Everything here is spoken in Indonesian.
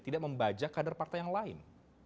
tidak membajak kader partai yang lain